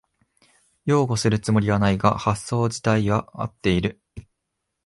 擁護するつもりはないが発想じたいは合ってる